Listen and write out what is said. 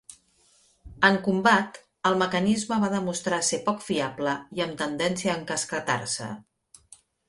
En combat, el mecanisme va demostrar ser poc fiable i amb tendència a encasquetar-se.